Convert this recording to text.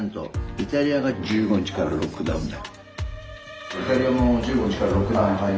イタリアが１５日からロックダウンだ。